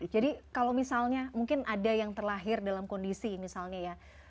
jadi kalau misalnya mungkin ada yang terlahir dalam kondisi misalnya ya